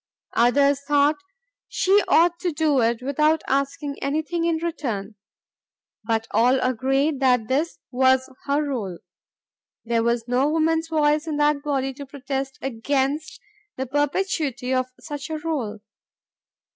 Others thought she ought to do it without asking anything in return. But all agreed that this was her role. There was no woman's voice in that body to protest against the perpetuity of such a rôle.